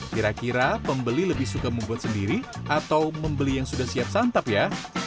kira kira pembeli lebih suka membuat sendiri atau membeli yang sudah siap santap ya